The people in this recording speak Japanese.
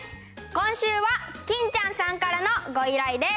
今週はきんちゃんさんからのご依頼です。